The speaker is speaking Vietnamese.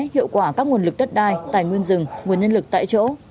hiệu quả các nguồn lực đất đai tài nguyên rừng nguồn nhân lực tại chỗ